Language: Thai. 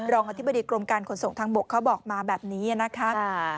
อธิบดีกรมการขนส่งทางบกเขาบอกมาแบบนี้นะครับ